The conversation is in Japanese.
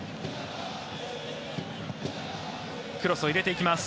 クロスを入れていきます。